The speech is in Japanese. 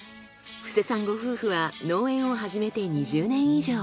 布施さんご夫婦は農園を始めて２０年以上。